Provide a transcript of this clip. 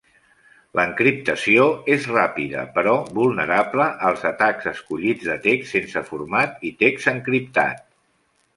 L'encriptació és ràpida, però vulnerable als atacs escollits de text sense format i text encriptat.